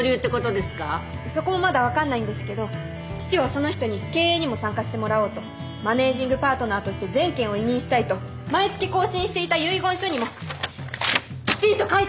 そこもまだ分かんないんですけど父はその人に経営にも参加してもらおうとマネージングパートナーとして全権を委任したいと毎月更新していた遺言書にもきちんと書いてあるんです。